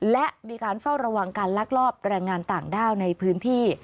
และมีการเฝ้าระวังการลักลอบแรงงานต่างด้าวในพื้นที่